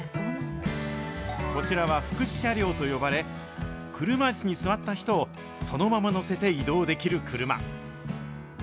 こちらは福祉車両と呼ばれ、車いすに座った人をそのまま乗せて移動できる車。